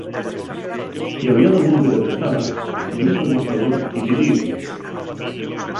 Si había dalgunu que te prestaba, dibes al mostrador y pidíeslu.